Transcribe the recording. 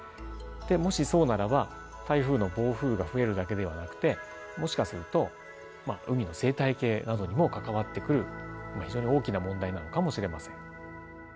もしそうならば台風の暴風雨が増えるだけではなくてもしかすると海の生態系などにも関わってくる非常に大きな問題なのかもしれません。